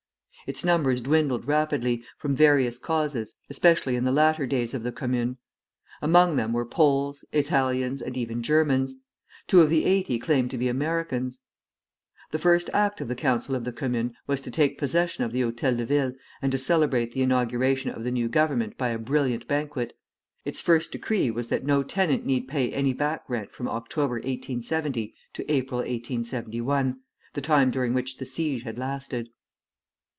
Its numbers dwindled rapidly, from various causes, especially in the latter days of the Commune. Among them were Poles, Italians, and even Germans; two of the eighty claimed to be Americans. The first act of the Council of the Commune was to take possession of the Hôtel de Ville and to celebrate the inauguration of the new government by a brilliant banquet; its first decree was that no tenant need pay any back rent from October, 1870, to April, 1871, the time during which the siege had lasted.